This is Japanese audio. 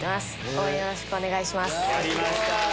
応援よろしくお願いします。